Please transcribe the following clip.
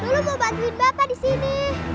dulu mau bantuin bapak di sini